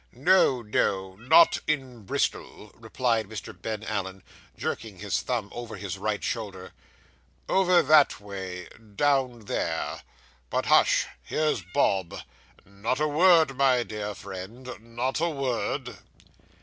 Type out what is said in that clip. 'No, no, not in Bristol,' replied Mr. Ben Allen, jerking his thumb over his right shoulder; 'over that way down there. But, hush, here's Bob. Not a word, my dear friend, not a word.